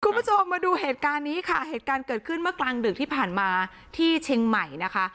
คุณผู้ชมมาดูเหตุการณ์นี้ค่ะเหตุการณ์เกิดขึ้นเมื่อกลางดึกที่ผ่านมาที่เชียงใหม่นะคะ